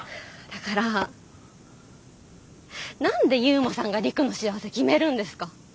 だから何で悠磨さんが陸の幸せ決めるんですか？